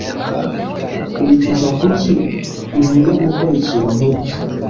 wicuza, kuki nkwiye gukora ikintu nkicyo